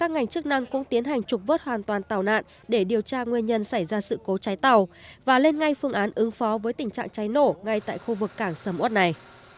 ngành chức năng cũng tiến hành trục vớt hoàn toàn tàu nạn để điều tra nguyên nhân xảy ra sự cố cháy tàu và lên ngay phương án ứng phó với tình trạng cháy nổ ngay tại khu vực cảng sầm ớt này